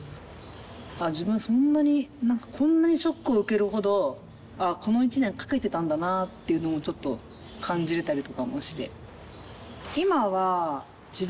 自分そんなになんかこんなにショックを受けるほどこの１年懸けてたんだなっていうのもちょっと感じれたりとかもして。